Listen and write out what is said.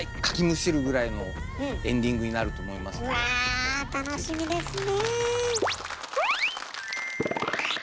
みんなうわ楽しみですね。